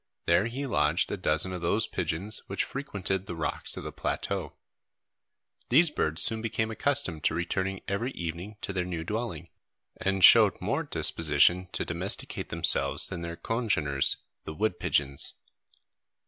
There he lodged a dozen of those pigeons which frequented the rocks of the plateau. These birds soon became accustomed to returning every evening to their new dwelling, and showed more disposition to domesticate themselves than their congeners, the wood pigeons.